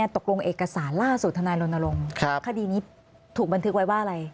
ตกลงเอกสารล่าสุดธนายรณรงค์คดีนี้ถูกบันทึกไว้ว่าอะไร